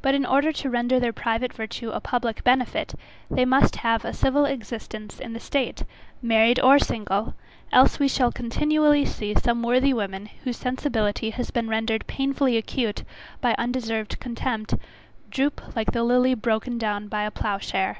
But in order to render their private virtue a public benefit, they must have a civil existence in the state, married or single; else we shall continually see some worthy woman, whose sensibility has been rendered painfully acute by undeserved contempt, droop like "the lily broken down by a plough share."